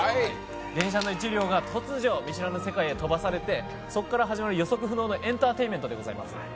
電車の１両が突如、見知らぬ世界へ放り出されてそこから始まる予測不能のエンターテインメントでございます。